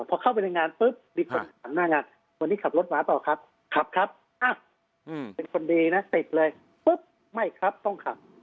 พอเข้าไปในงานปุ๊บมีคนหันหน้างานวันนี้ขับรถมาเปล่าครับขับครับเป็นคนดีนะติดเลยปุ๊บไม่ครับต้องขับ